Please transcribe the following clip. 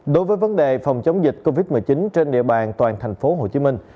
đối với vấn đề phòng chống dịch covid một mươi chín trên địa bàn toàn thành phố hồ chí minh